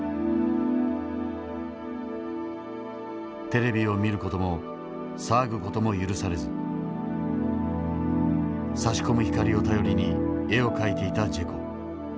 テレビを見る事も騒ぐ事も許されずさし込む光を頼りに絵を描いていたジェコ。